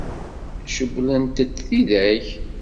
Cewwlent-t tidak?